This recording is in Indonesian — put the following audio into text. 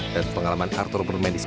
dan ini adalah perkembangan pemain indonesia